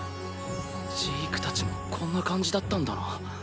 ジークたちもこんな感じだったんだな。